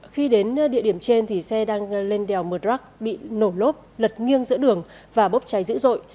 khi đến địa điểm trên xe đang lên đèo mờ rắc bị nổ lốp lật nghiêng giữa đường và bốc cháy dữ dội